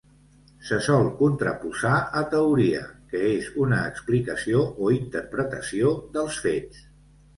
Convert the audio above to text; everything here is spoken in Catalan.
Se sol contraposar a teoria, que és una explicació o interpretació dels fets.